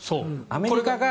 アメリカが。